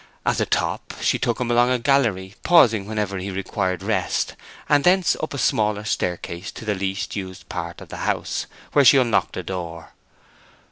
At the top she took him along a gallery, pausing whenever he required rest, and thence up a smaller staircase to the least used part of the house, where she unlocked a door.